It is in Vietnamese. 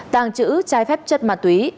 tàng chữ trái phép chất ma túy